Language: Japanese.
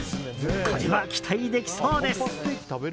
これは期待できそうです。